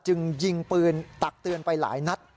จึงยิงปืนตักเตือนไปหลายนัด